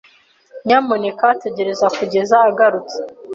Nyamuneka tegereza kugeza agarutse.